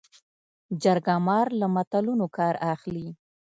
جرګه مار له متلونو کار اخلي